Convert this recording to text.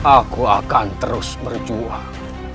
aku akan terus berjuang